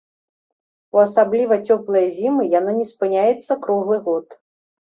У асабліва цёплыя зімы яно не спыняецца круглы год.